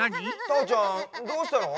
たーちゃんどうしたの？